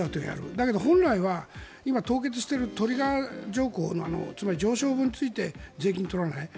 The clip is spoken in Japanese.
だけど本来は今、凍結しているトリガー条項のつまり上昇分について税金を取らない。